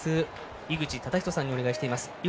井口資仁さんにお願いしています。